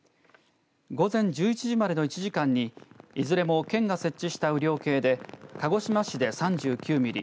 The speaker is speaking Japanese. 午前１１時までの１時間にいずれも県が設置した雨量計で鹿児島市で３９ミリ